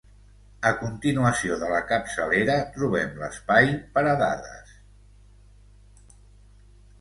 A continuació de la capçalera trobem l'espai per a dades.